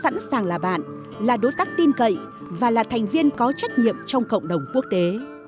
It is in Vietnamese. cả bạn là đối tác tin cậy và là thành viên có trách nhiệm trong cộng đồng quốc tế